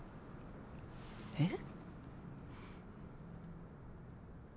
えっ？